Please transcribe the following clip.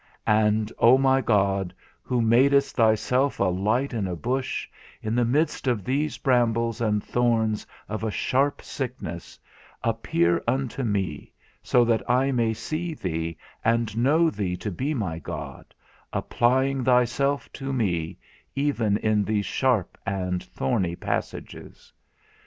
And, O my God, who madest thyself a light in a bush, in the midst of these brambles and thorns of a sharp sickness, appear unto me so that I may see thee, and know thee to be my God, applying thyself to me, even in these sharp and thorny passages.